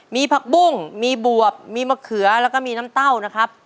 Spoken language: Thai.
มีผักบุ้งมีบวบมีมะเขือแล้วก็มีน้ำเต้านะครับ